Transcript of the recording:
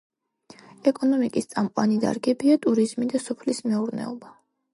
ეკონომიკის წამყვანი დარგებია ტურიზმი და სოფლის მეურნეობა.